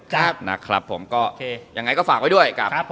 ยังไงก็ฝากไว้ด้วยกับ